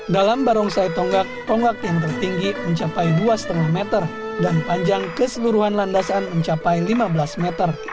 dalam barongsai tonggak tonggak yang tertinggi mencapai dua lima meter dan panjang keseluruhan landasan mencapai lima belas meter